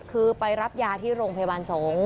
คือไปรับยาที่โรงพยาบาลสงฆ์